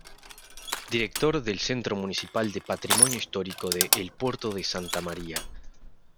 Director del Centro Municipal de Patrimonio Histórico de El Puerto de Santa María.